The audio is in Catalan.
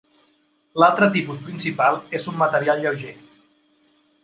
L'altre tipus principal és un material lleuger.